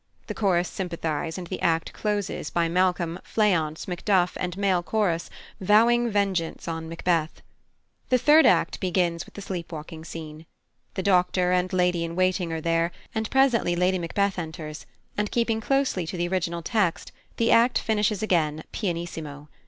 The chorus sympathise, and the act closes by Malcolm, Fleance, Macduff, and male chorus vowing vengeance on Macbeth. The third act begins with the Sleep walking scene. The doctor and lady in waiting are there, and presently Lady Macbeth enters, and, keeping closely to the original text, the act finishes again pianissimo.